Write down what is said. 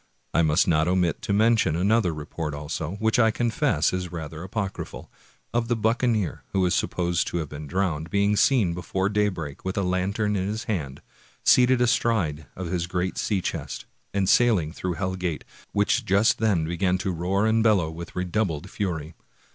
I must not omit to mention another report, also, which I confess is rather apocryphal, of the buccaneer who is sup posed to have been drowned, being seen before daybreak, with a lantern in his hand, seated astride of his great sea chest, and sailing through Hell Gate, which just then began to roar and bellow with redoubled fury.